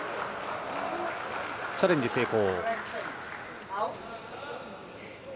チャレンジ成功。